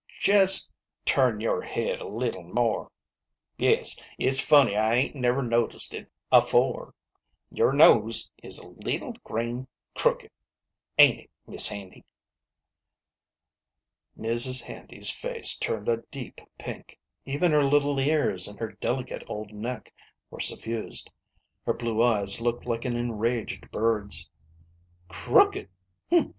"Jest turn your head a leetle more. Yes, it's funny I SISTER LIDDY. 8 5 ain't never noticed it afore. Your nose is a leetle grain crooked ŌĆö ain't it, Mis' Handy?" Mrs. Handy's face turned a deep pink ŌĆö even her little ears and her delicate old neck were suffused ; her blue eyes looked like an enraged bird's. " Crooked